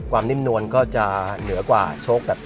นิ่มนวลก็จะเหนือกว่าโชคแบบ